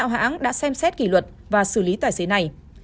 ba hãng đã xem xét kỷ luật và xử lý tài xế này